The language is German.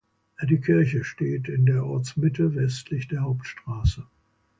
Die Kirche steht in der Ortsmitte westlich der Hauptstraße.